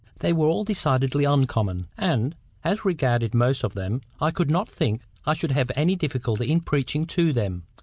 They were all decidedly uncommon, and, as regarded most of them, I could not think I should have any difficulty in preaching to them.